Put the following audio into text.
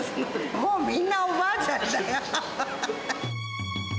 もうみんなおばあちゃんだよ。